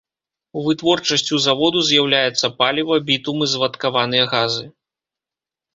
Вытворчасцю заводу з'яўляецца паліва, бітумы, звадкаваныя газы.